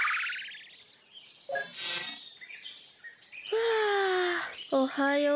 ふあおはよう。